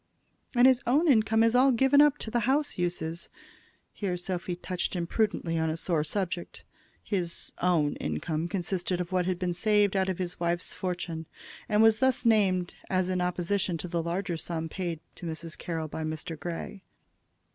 "And his own income is all given up to the house uses." Here Sophy touched imprudently on a sore subject. His "own" income consisted of what had been saved out of his wife's fortune, and was thus named as in opposition to the larger sum paid to Mrs. Carroll by Mr. Grey.